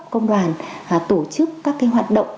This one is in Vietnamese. công đoàn tổ chức các cái hoạt động